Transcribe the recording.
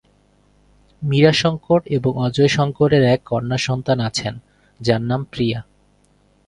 মীরা শঙ্কর এবং অজয় শঙ্করের এক কন্যাসন্তান আছেন, যাঁর নাম প্রিয়া।